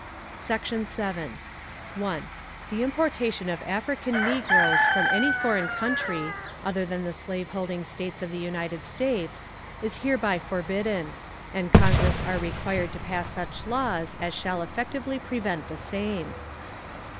Section 7. 1. The importation of African negroes from any foreign country, other than the slaveholding States of the United States, is hereby forbidden; and Congress are required to pass such laws as shall effectually prevent the same.